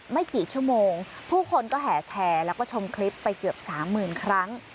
ไม่กี่ชั่วโมงผู้คนก็แห่แชร์แล้วก็ชมคลิปไปเกือบสามหมื่นครั้ง